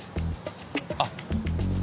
あっ。